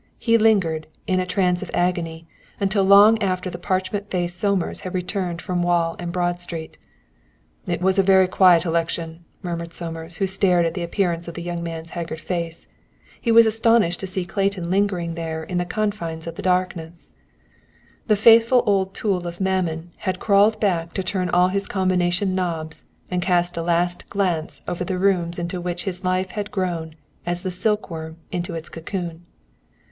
He lingered, in a trance of agony, until long after the parchment faced Somers had returned from Wall and Broad Street. "It was a very quiet election," murmured Somers, who started at the appearance of the young man's haggard face. He was astonished to see Clayton lingering there to the confines of darkness. The faithful old tool of Mammon had crawled back to turn all his combination knobs and cast a last glance over the rooms into which his life had grown as the silkworm into its cocoon.